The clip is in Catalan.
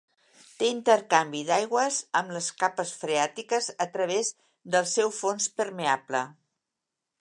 Té intercanvi d'aigües amb les capes freàtiques a través del seu fons permeable.